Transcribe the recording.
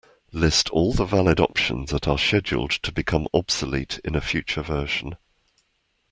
List all the valid options that are scheduled to become obsolete in a future version.